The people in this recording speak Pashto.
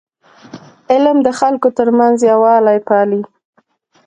علم د خلکو ترمنځ یووالی پالي.